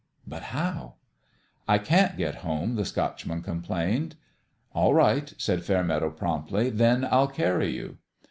But how ? "I can't get home," the Scotchman com plained. " All right," said Fairmeadow, promptly ;" then I'll carry you."